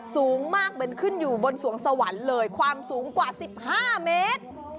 สูงมากเหมือนขึ้นอยู่บนสวงสวรรค์เลยความสูงกว่า๑๕เมตร